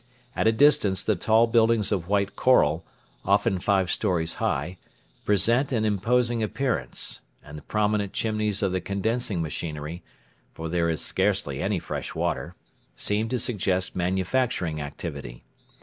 At a distance the tall buildings of white coral, often five storeys high, present an imposing appearance, and the prominent chimneys of the condensing machinery for there is scarcely any fresh water seem to suggest manufacturing activity.